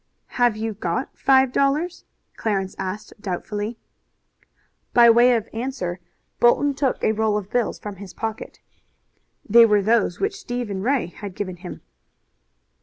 "Have you got five dollars?" Clarence asked doubtfully. By way of answer Bolton took a roll of bills from his pocket. They were those which Stephen Ray had given him.